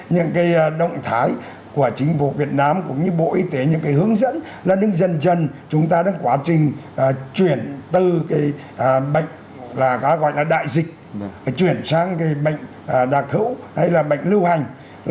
những cái động thái của chính phủ việt nam cũng như bộ y tế những cái hướng dẫn là đứng dần dần chúng ta đang quá trình chuyển từ cái bệnh gọi là đại dịch chuyển sang cái bệnh đặc hữu hay là bệnh lưu hành